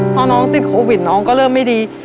พอน้องติดโควิดน้องก็เริ่มไม่ดี